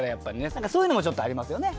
何かそういうのもちょっとありますよね。